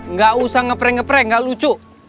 nggak usah nge prank nge prank nggak lucu